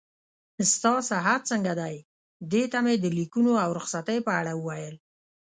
ستا صحت څنګه دی؟ دې ته مې د لیکونو او رخصتۍ په اړه وویل.